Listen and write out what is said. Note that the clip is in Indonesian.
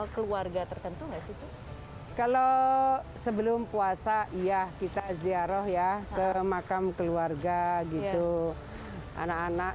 keluarga tertentu nggak sih kalau sebelum puasa iya kita ziarah ya ke makam keluarga gitu anak anak